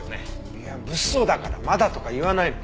いや物騒だから「まだ」とか言わないの。